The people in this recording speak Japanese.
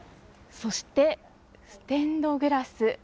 そして、ステンドグラス。